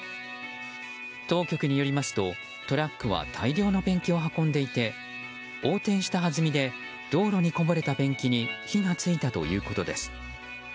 当局によりますと、トラックは大量のペンキを運んでいて横転したはずみで道路にこぼれたペンキに火が付いたということです。